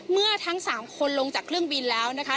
เมื่อทั้ง๓คนลงจากเครื่องบินแล้วนะคะ